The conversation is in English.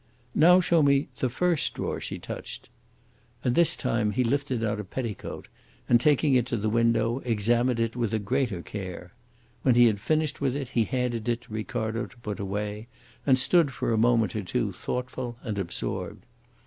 "Now show me the first drawer she touched." And this time he lifted out a petticoat, and, taking it to the window, examined it with a greater care. When he had finished with it he handed it to Ricardo to put away, and stood for a moment or two thoughtful and absorbed.